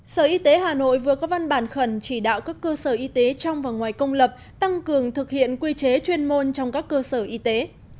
sở y tế hà nội vừa có văn bản khẩn chỉ đạo các cơ sở y tế trong và ngoài công lập tăng cường thực hiện quy chế chuyên môn trong các cơ sở y tế